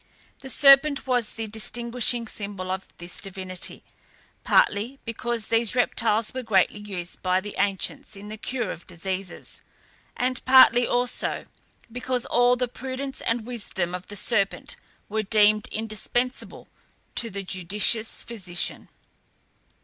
The serpent was the distinguishing symbol of this divinity, partly because these reptiles were greatly used by the ancients in the cure of diseases, and partly also because all the prudence and wisdom of the serpent were deemed indispensable to the judicious physician.